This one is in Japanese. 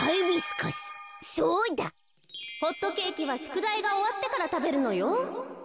かいそうホットケーキはしゅくだいがおわってからたべるのよ。